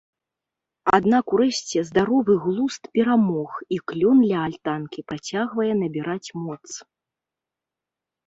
Аднак урэшце здаровы глузд перамог і клён ля альтанкі працягвае набіраць моц.